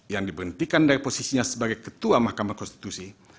yang diberhentikan dari posisinya sebagai ketua mahkamah konstitusi